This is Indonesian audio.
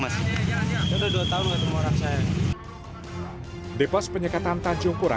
mas hai depan penyekatan tanjung kura